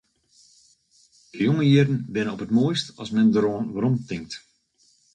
De jonge jierren binne op it moaist as men deroan weromtinkt.